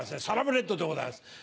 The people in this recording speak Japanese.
サラブレッドでございます。